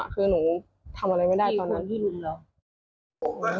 คือหนูทำอะไรไม่ได้ตอนนั้นที่รุมแล้ว